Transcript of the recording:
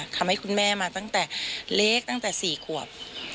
ทำให้คุณแม่มาตั้งแต่เล็กตั้งแต่๔ขวบ